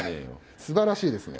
すばらしいですね。